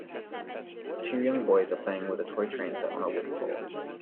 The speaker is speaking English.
Two young boys are playing with a toy train set on a wood floor.